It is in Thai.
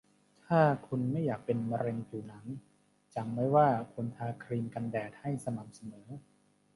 ถ้าคุณไม่อยากเป็นมะเร็งผิวหนัง จำไว้ว่าควรทาครีมกันแดดให้สม่ำเสมอ